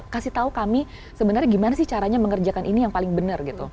kasih tahu kami sebenarnya gimana sih caranya mengerjakan ini yang paling benar gitu